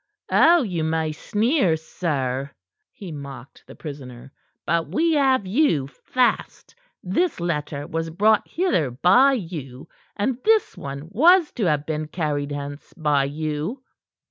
"Oh, you may sneer, sir," he mocked the prisoner. "But we have you fast. This letter was brought hither by you, and this one was to have been carried hence by you."